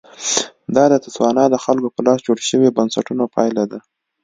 دا د تسوانا د خلکو په لاس جوړ شویو بنسټونو پایله ده.